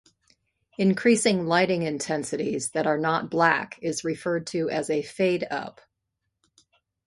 Increasing lighting intensities that are not black is referred to as a fade-up.